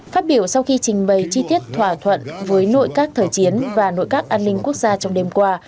phát biểu sau khi trình bày chi tiết thỏa thuận với nội các thời chiến và nội các an ninh quốc gia trong đêm qua